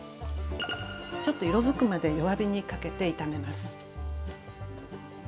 ちょっと色づくまで弱火にかけて炒めます。